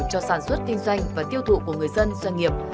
cho sản xuất kinh doanh và tiêu thụ của người dân doanh nghiệp